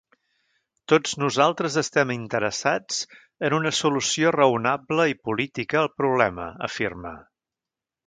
Tots nosaltres estem interessats en una solució raonable i política al problema, afirma.